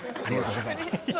ありがとうございます。